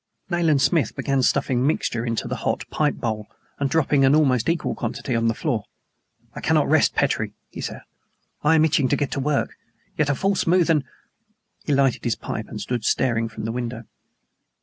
Nayland Smith began stuffing mixture into the hot pipe bowl, and dropping an almost equal quantity on the floor. "I cannot rest, Petrie," he said. "I am itching to get to work. Yet, a false move, and " He lighted his pipe, and stood staring from the window.